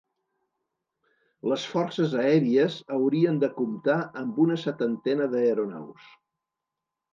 Les forces aèries haurien de comptar amb una setantena d’aeronaus.